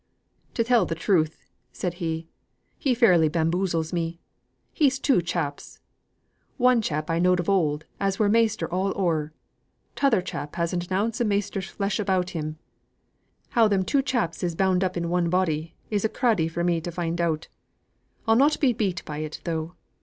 "To tell the truth," said he, "he fairly bamboozles me. He's two chaps. One chap I knowed of old as were measter all o'er. T'other chap hasn't an ounce of measter's flesh about him. How them two chaps is bound up in one body, is a craddy for me to find out. I'll not be beat by it, though.